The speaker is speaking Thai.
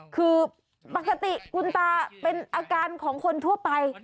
คือปกติคุณตาเป็นอาการของคนทั่วไป